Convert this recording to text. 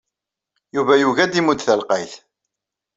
Yuba yugi ad d-imudd talqayt.